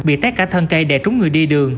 bị tét cả thân cây để trúng người đi đường